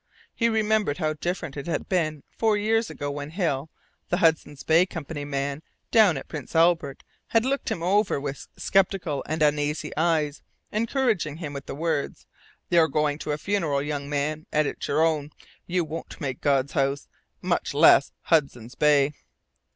He remembered how different it had been four years ago when Hill, the Hudson's Bay Company's man down at Prince Albert, had looked him over with skeptical and uneasy eyes, encouraging him with the words: "You're going to a funeral, young man, and it's your own. You won't make God's House, much less Hudson's Bay!"